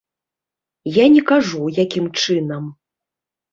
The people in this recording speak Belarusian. Я не кажу, якім чынам.